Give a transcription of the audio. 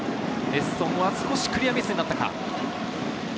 エッソンは少しクリアミスになったか。